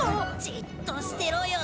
じっとしてろよ。